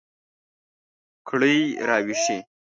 کړئ را ویښې